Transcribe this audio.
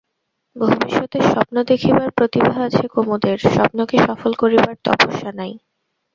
ভবিষ্যতের স্বপ্ন দেখিবার প্রতিভা আছে কুমুদের, স্বপ্নকে সফল করিবার তপস্যা নাই।